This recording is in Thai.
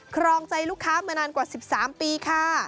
ครองใจลูกค้ามานานกว่า๑๓ปีค่ะ